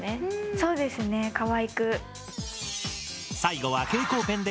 そうですねかわいく。